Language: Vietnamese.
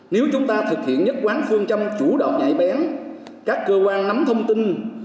nếu chúng ta thực hiện nhất quán phương châm chủ động nhạy bén các cơ quan nắm thông tin